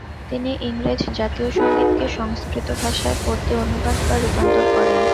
তিনি ইংরেজি জাতীয় সঙ্গীতকে সংস্কৃত ভাষায় পদ্যে অনুবাদ বা রূপান্তর করেন।